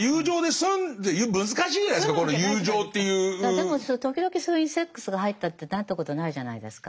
でも時々そういうセックスが入ったってなんてことないじゃないですか。